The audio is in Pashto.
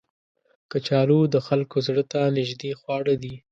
کچالو د خلکو زړه ته نیژدې خواړه دي